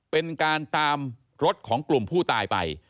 เป็นการตามรถของกลุ่มผู้ตายไป